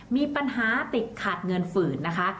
มีปัญหาติดขัดเงินฝืนนะคะ